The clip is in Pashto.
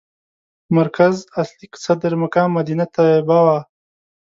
مرکز اصلي صدر مقام مدینه طیبه وه.